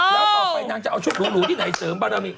แล้วต่อไปนางจะเอาชุดหรูที่ไหนเสริมบารมี